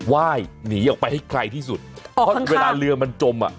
ว่ายหนีออกไปให้ไกลที่สุดเพราะเวลาเรือมันจมอ่ะ